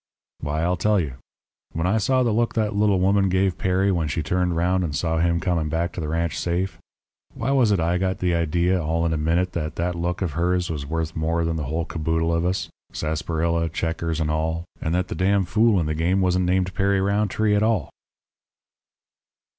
"Why, I'll tell you: When I saw the look that little woman gave Perry when she turned round and saw him coming back to the ranch safe why was it I got the idea all in a minute that that look of hers was worth more than the whole caboodle of us sarsaparilla, checkers, and all, and that the d n fool in the game wasn't named Perry Rountree at all?"